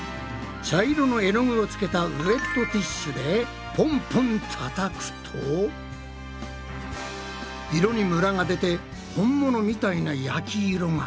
茶色の絵の具をつけたウエットティッシュでポンポンたたくと色にムラが出て本物みたいな焼き色が。